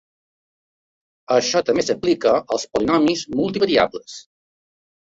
Això també s'aplica als polinomis multivariables.